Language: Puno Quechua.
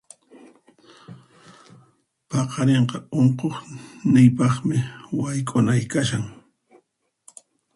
Paqarinqa unquqniypaqmi wayk'unay kashan.